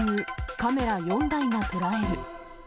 カメラ４台が捉える。